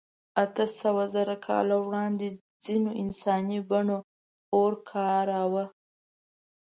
اتهسوهزره کاله وړاندې ځینو انساني بڼو اور کاراوه.